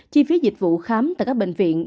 chi phí dịch vụ khám tại các bệnh viện